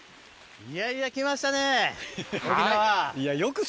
いやいや来ましたね沖縄！